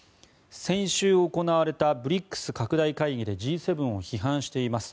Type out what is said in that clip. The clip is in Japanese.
先週行われたＢＲＩＣＳ拡大会議でＧ７を批判しています。